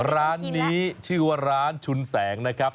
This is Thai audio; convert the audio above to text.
ร้านนี้ชื่อว่าร้านชุนแสงนะครับ